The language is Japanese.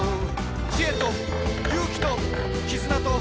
「知恵と勇気ときずなと」